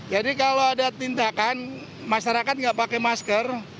jadi kalau ada tindakan masyarakat nggak pakai masker